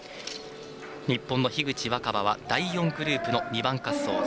日本の樋口新葉は第４グループの２番滑走。